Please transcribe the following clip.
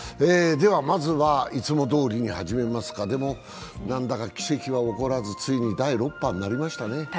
まずは、いつもどおりに始めますかでも、なんだか奇跡は起こらず、ついに第６波になりましたね。